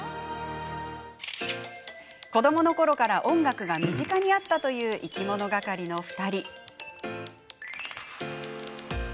子どものころから音楽が身近にあったといういきものがかりの２人。